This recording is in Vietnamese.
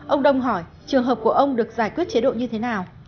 ông đông hỏi trường hợp của ông được giải quyết chế độ như thế nào